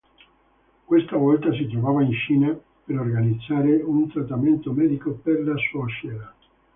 Questa volta si trovava in Cina per organizzare un trattamento medico per la suocera.